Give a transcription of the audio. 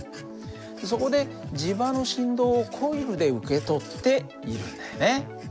そこで磁場の振動をコイルで受け取っているんだよね。